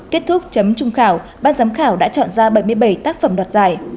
kết thúc chấm trung khảo ban giám khảo đã chọn ra bảy mươi bảy tác phẩm đoạt giải